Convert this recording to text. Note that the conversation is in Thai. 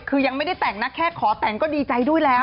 คือยังไม่ได้แต่งนะแค่ขอแต่งก็ดีใจด้วยแล้ว